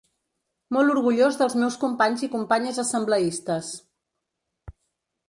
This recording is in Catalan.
Molt orgullós dels meus companys i companyes assembleistes.